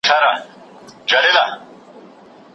هسي نه چي دي د ژوند وروستی سفر سي